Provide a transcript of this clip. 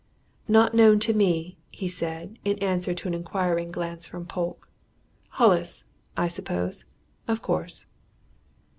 "Not known to me," he said, in answer to an inquiring glance from Polke. "Hollis, I suppose, of course."